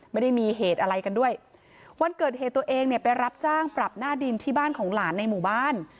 ไม่ได้มีเหตุอะไรกันด้วยวันเกิดเหตุตัวเองเนี่ยไปรับจ้างปรับหน้าดินที่บ้านของหลานในหมู่บ้าน